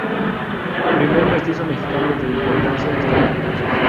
Primer mestizo mexicano de importancia histórica.